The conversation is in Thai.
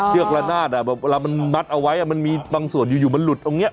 เชือกรัดนาดอะบอกพอมันมัดเอาไว้มันมีบางส่วนอยู่มันหลุดตรงเนี่ย